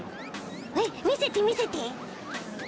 えっみせてみせて。